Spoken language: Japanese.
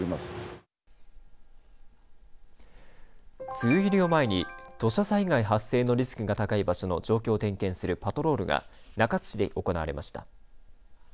梅雨入りを前に土砂災害発生のリスクが高い場所の状況を点検するパトロールが中津市で行われました。